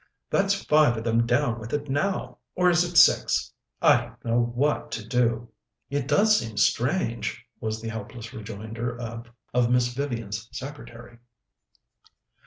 "That's five of them down with it now or is it six? I don't know what to do." "It does seem strange," was the helpless rejoinder of Miss Vivian's secretary.